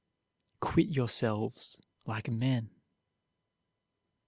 Quit yourselves like men.